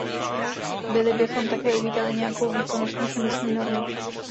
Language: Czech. Byli bychom také uvítali nějakou výkonnostní emisní normu.